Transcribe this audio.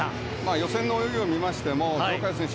予選の泳ぎを見ましてもジョ・カヨ選手